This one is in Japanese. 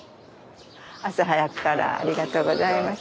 朝早くからありがとうございます。